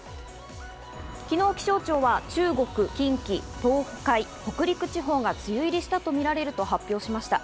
昨日、気象庁は中国、近畿、東海、北陸地方が梅雨入りしたとみられると発表しました。